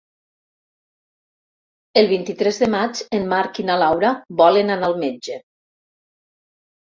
El vint-i-tres de maig en Marc i na Laura volen anar al metge.